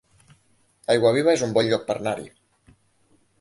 Aiguaviva es un bon lloc per anar-hi